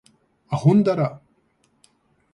あほんだら